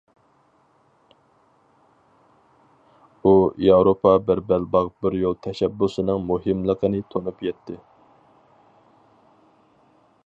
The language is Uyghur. ئۇ ياۋروپا بىر بەلباغ بىر يول تەشەببۇسىنىڭ مۇھىملىقىنى تونۇپ يەتتى.